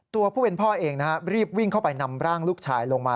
ตัวผู้เป็นพ่อเองรีบวิ่งเข้าไปนำร่างลูกชายลงมา